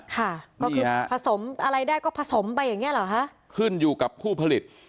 ค่ะก็คือผสมอะไรได้ก็ผสมไปอย่างเงี้เหรอฮะขึ้นอยู่กับผู้ผลิต